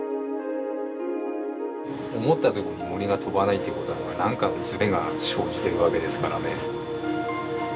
思ったとこに銛が飛ばないってことは何かのずれが生じてるわけですからね。